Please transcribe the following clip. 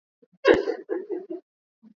Ba mbuji bana ongezeka sana